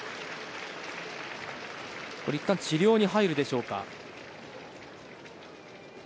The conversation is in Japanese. いったん治療に入るでしょうか。